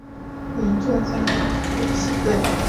名作家谷崎润一郎的弟弟。